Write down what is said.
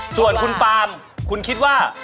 ส่วนคุณปามคุณคิดว่า